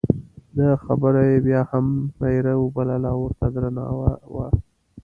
د هغه خبره یې بیا هم میره وبلله او ورته درنه وه.